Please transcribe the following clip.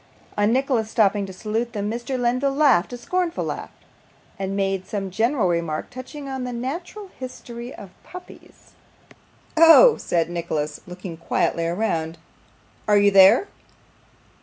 On Nicholas stopping to salute them, Mr. Lenville laughed a scornful laugh, and made some general remark touching the natural history of puppies. 'Oh!' said Nicholas, looking quietly round, 'are you there?